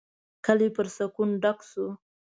کلی پر سکون ډک شو.